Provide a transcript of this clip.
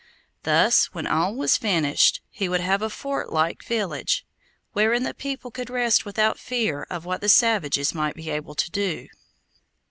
Thus, when all was finished, he would have a fort like village, wherein the people could rest without fear of what the savages might be able to do.